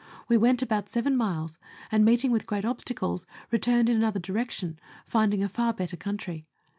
We went about seven miles, and, meeting with great obstacles, returned in another direction, finding a far better country.